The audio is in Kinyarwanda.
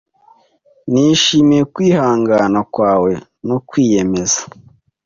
Nishimiye kwihangana kwawe no kwiyemeza.